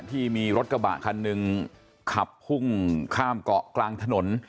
ที่มีรถกระบะคันหนึ่งขับพุ่งข้ามเกาะกลางถนน